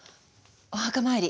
お墓参り。